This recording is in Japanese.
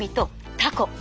タコ。